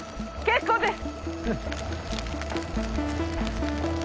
結構です！